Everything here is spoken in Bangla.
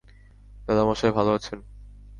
দাদামহাশয় ভালো আছেন।